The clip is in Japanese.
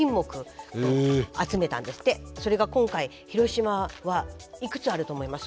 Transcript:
それが今回広島はいくつあると思います？